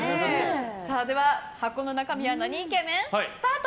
箱の中身はなにイケメン？スタート！